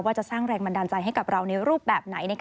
จะสร้างแรงบันดาลใจให้กับเราในรูปแบบไหน